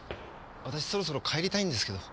私そろそろ帰りたいんですけど。